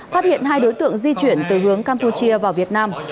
phát hiện hai đối tượng di chuyển từ hướng campuchia vào việt nam